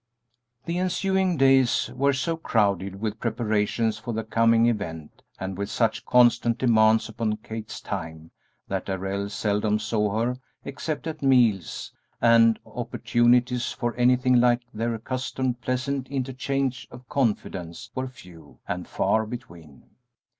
The ensuing days were so crowded with preparations for the coming event and with such constant demands upon Kate's time that Darrell seldom saw her except at meals, and opportunities for anything like their accustomed pleasant interchange of confidence were few and far between.